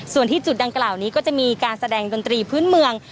ส่วนที่จุดดังกล่าวนี้ก็จะมีการแสดงดนตรีพื้นเมือง